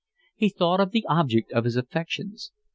He thought of the object of his affections.